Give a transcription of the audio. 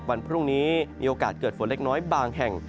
วันพรุ่งนี้มีโอกาสเกิดฝนเล็กน้อยบางแห่ง